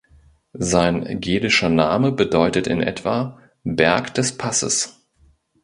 Sein gälischer Name bedeutet in etwa "Berg des Passes".